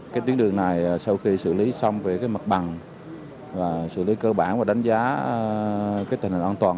cái tuyến đường này sau khi xử lý xong về cái mặt bằng và xử lý cơ bản và đánh giá cái tình hình an toàn